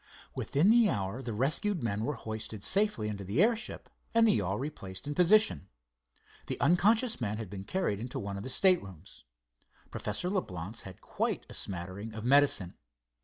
Within the hour the rescued men were hoisted safely into the airship and the yawl replaced in position. The unconscious man had been carried into one of the staterooms. Professor Leblance had quite a smattering of medicine.